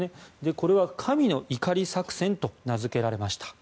これは、神の怒り作戦と名づけられました。